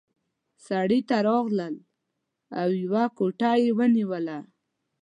سرای ته راغلل او یوه کوټه یې ونیوله.